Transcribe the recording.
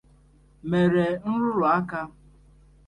mere nrụrụ aka.